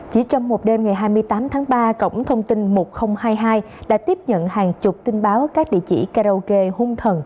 chỉ trong một đêm ngày hai mươi tám tháng ba cổng thông tin một nghìn hai mươi hai đã tiếp nhận hàng chục tin báo các địa chỉ karaoke hung thần